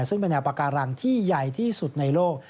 ซึ่งเป็นแนวปาการังที่ใหญ่ที่สุดในโลก